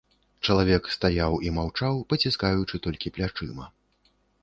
Чалавек стаяў і маўчаў, паціскаючы толькі плячыма.